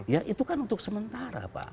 ya itu kan untuk sementara pak